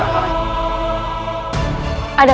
ada keperluan apa nek muda